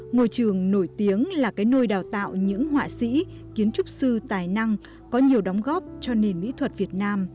ngôi trường nổi tiếng là cái nơi đào tạo những họa sĩ kiến trúc sư tài năng có nhiều đóng góp cho nền mỹ thuật việt nam